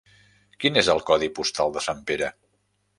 Quin és el codi postal de Sempere?